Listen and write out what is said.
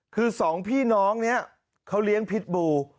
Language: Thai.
คือสองพี่น้องนี้เขาเลี้ยงพิษบู